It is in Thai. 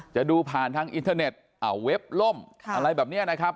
จะดูผ่านทางอินเทอร์เน็ตเว็บล่มอะไรแบบนี้นะครับ